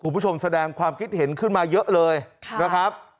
คุณผู้ชมแสดงความคิดเห็นขึ้นมาเยอะเลยนะครับ